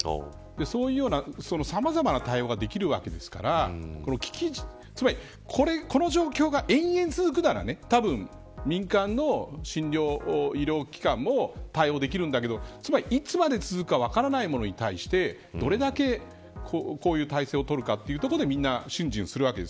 そういうようなさまざまな対応ができるわけですからつまり、この状況が永遠に続くならたぶん、民間の診療医療機関も対応できるんだけどいつまで続くか分からないものに対してどれだけこういう態勢をとるかというところでみんな、しゅん巡するわけです。